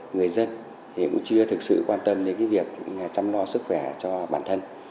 người dân thì cũng chưa thực sự quan tâm đến việc chăm lo sức khỏe cho bản thân